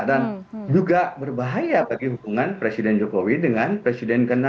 dan juga berbahaya bagi hubungan presiden jokowi dengan presiden ke enam sbi